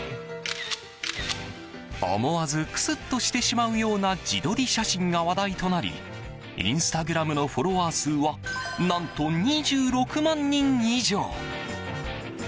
思わずクスッとしてしまうような自撮り写真が話題となりインスタグラムのフォロワー数は何と、２６万人以上！